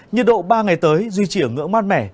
nhiệt độ ba ngày tới duy trì ở ngưỡng mát mẻ